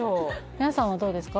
皆さんはどうですか？